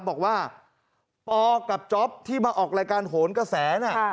บอกว่าปกับจ๊อปที่มาออกรายการโหนกระแสน่ะ